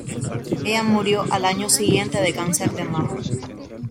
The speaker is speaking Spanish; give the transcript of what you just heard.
Ella murió al año siguiente de cáncer de mama.